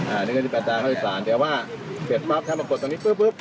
อ่านึงก็จะเป็นตามให้สารแต่ว่าเสร็จปั๊บถ้ามากดตรงนี้ปึ๊บปึ๊บ